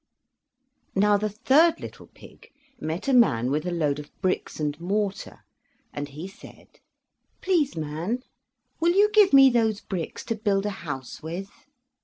Now, the third little pig met a man with a load of bricks and mortar, and he said: "Please, man, will you give me those bricks to build a house with?"